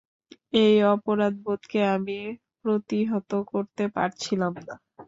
এই অপরাধবোধকে আমি প্রতিহত করতে পারছিলাম না।